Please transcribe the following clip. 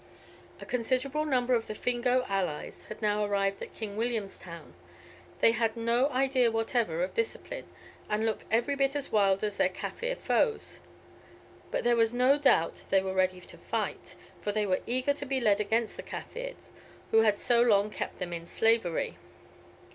A considerable number of the Fingo allies had now arrived at King Williamstown. They had no idea whatever of discipline, and looked every bit as wild as their Kaffir foes. But there was no doubt they were ready to fight, for they were eager to be led against the Kaffirs, who had so long kept them in slavery.